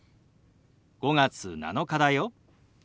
「５月７日だよ」。